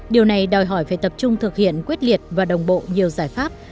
điều này đòi hỏi phải tập trung thực hiện quyết liệt và đồng bộ nhiều giải pháp